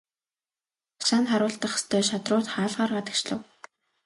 Хашаанд харуулдах ёстой шадрууд хаалгаар гадагшлав.